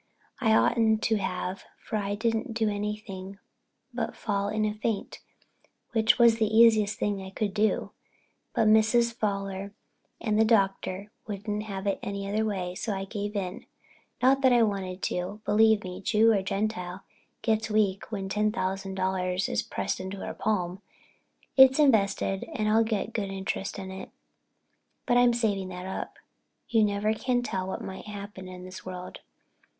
I oughtn't to have for I didn't do anything but fall in a faint, which was the easiest thing I could do. But Mrs. Fowler and the Doctor wouldn't have it any other way, so I gave in. Not that I didn't want to. Believe me, Jew or Gentile gets weak when ten thousand dollars is pressed into her palm. It's invested and I get good interest on it, but I'm saving that up. You never can tell what may happen in this world.